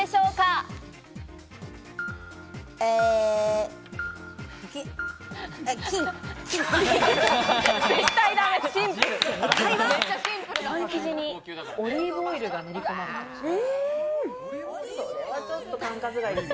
正解はパン生地にオリーブオイルが塗り込まれているそうです。